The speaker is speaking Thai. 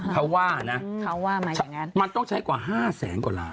เขาว่านะมันต้องใช้กว่า๕แสนกว่าล้าน